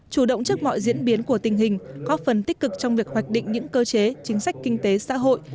chủ động trước mọi diễn biến của tình hình góp phần tích cực trong việc hoạch định những cơ chế chính sách kinh tế xã hội